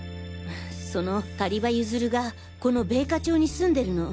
その狩場ユズルがこの米花町に住んでるの。